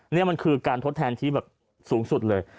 นี่มันคือการทดแทนที่แบบสูงสุดเลย